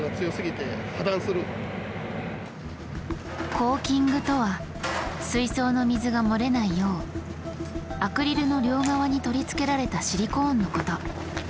コーキングとは水槽の水が漏れないようアクリルの両側に取り付けられたシリコーンのこと。